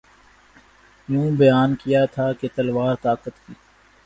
یوں بیان کیا تھا کہ تلوار طاقت کی